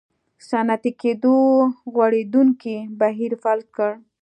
صنعتي کېدو غوړېدونکی بهیر فلج کړل.